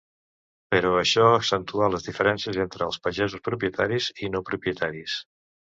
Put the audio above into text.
Però això accentuà les diferències entre els pagesos propietaris i no propietaris.